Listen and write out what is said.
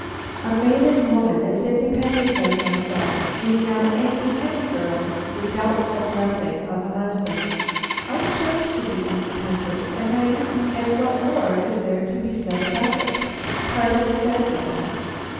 A maiden woman, as independent as myself, need not envy any girl the doubtful blessing of a husband. I chose to be independent, and I am, and what more is there to be said about it? Pardon the digression.